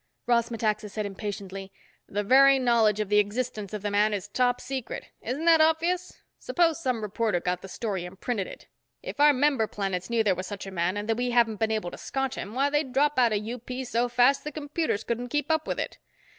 Ross Metaxa said impatiently, "The very knowledge of the existence of the man is top secret. Isn't that obvious? Suppose some reporter got the story and printed it. If our member planets knew there was such a man and that we haven't been able to scotch him, why they'd drop out of UP so fast the computers couldn't keep up with it.